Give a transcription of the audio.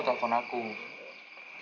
ini yang candidatnya